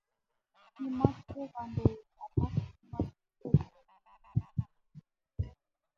Kimache kandoik alak che machuu ochei